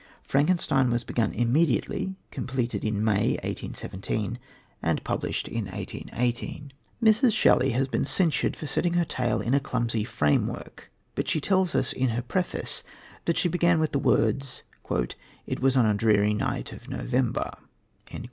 Frankenstein was begun immediately, completed in May, 1817, and published in 1818. Mrs. Shelley has been censured for setting her tale in a clumsy framework, but she tells us in her preface that she began with the words: "It was on a dreary night of November."